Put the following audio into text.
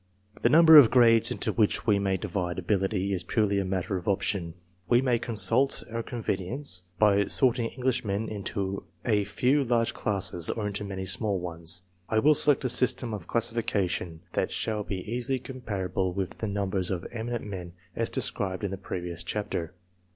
The number of grades into which we may divide ability purely a matter of option. We may consult our con mience by sorting Englishmen into a few large classes, or into many small ones. I will select a system of classi fication that shall be easily comparable with the numbers of eminent men, as determined in the previous chapter.